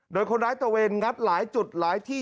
โดยคนร้ายตะเวนงัดหลายจุดหลายที่